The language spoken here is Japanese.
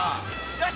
よし。